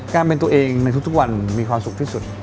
การเป็นตัวเองในทุกวันมีความสุขที่สุด